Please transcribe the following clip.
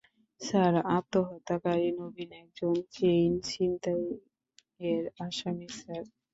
Sir আত্মহত্যাকারী নবীন একজন চেইন ছিনতাইয়ের আসামি, স্যার।